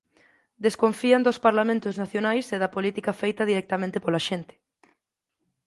Desconfían dos Parlamentos nacionais e da política feita directamente pola xente.